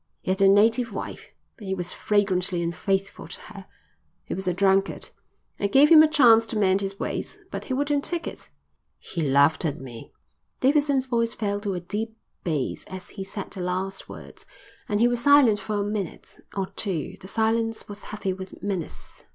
He had a native wife, but he was flagrantly unfaithful to her. He was a drunkard. I gave him a chance to mend his ways, but he wouldn't take it. He laughed at me." Davidson's voice fell to a deep bass as he said the last words, and he was silent for a minute or two. The silence was heavy with menace.